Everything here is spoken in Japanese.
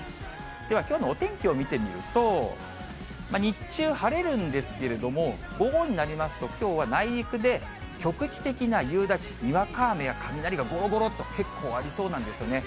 ではきょうのお天気を見てみると、日中晴れるんですけれども、午後になりますと、きょうは内陸で局地的な夕立、にわか雨や雷がごろごろっと結構ありそうなんですよね。